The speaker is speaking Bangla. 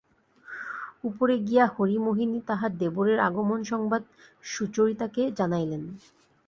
উপরে গিয়া হরিমোহিনী তাঁহার দেবরের আগমন-সংবাদ সুচরিতাকে জানাইলেন।